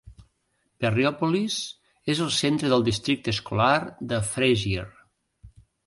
Perryopolis és el centre del districte escolar de Frazier.